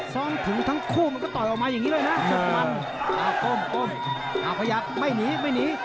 ถึงทั้งคู่มันก็ต่อยออกมาอย่างนี้เลยนะสุดมันก้มขยับไม่หนีไม่หนี